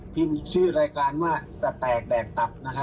ที่มีชื่อรายการว่าสแตกแดกตับนะครับ